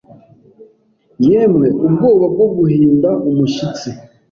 Yemwe ubwoba bwo guhinda umushyitsi